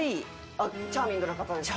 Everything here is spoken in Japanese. あっチャーミングな方ですか？